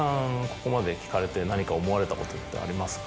ここまで聞かれて何か思われたことってありますか？